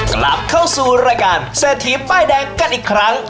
กลับเข้าสู่รายการเศรษฐีป้ายแดงกันอีกครั้ง